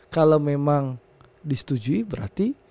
kalau memang disetujui berarti